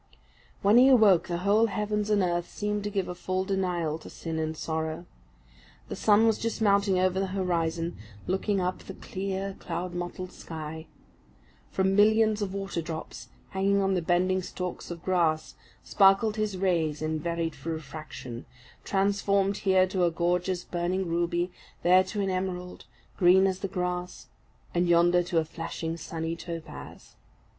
When he awoke, the whole heavens and earth seemed to give a full denial to sin and sorrow. The sun was just mounting over the horizon, looking up the clear cloud mottled sky. From millions of water drops hanging on the bending stalks of grass, sparkled his rays in varied refraction, transformed here to a gorgeous burning ruby, there to an emerald, green as the grass, and yonder to a flashing, sunny topaz.